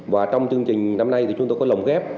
và trong chương trình năm nay chúng tôi có lòng ghép